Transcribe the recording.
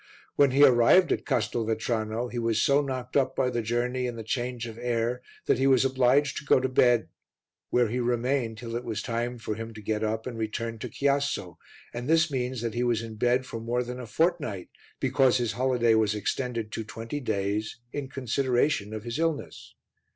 When he arrived at Castelvetrano he was so knocked up by the journey and the change of air that he was obliged to go to bed, where he remained till it was time for him to get up and return to Chiasso, and this means that he was in bed for more than a fortnight, because his holiday was extended to twenty days in consideration of his illness.